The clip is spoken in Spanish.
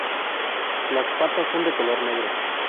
Las patas son de color negro.